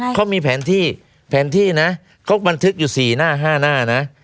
เขามีแผนที่แผนที่นะเขาบันทึกอยู่๔หน้า๕หน้านะ